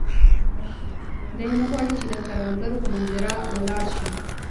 دی نه غواړي چې د کروندګرو په منظره ولاړ شي.